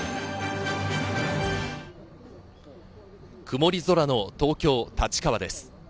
曇り空の東京・立川です。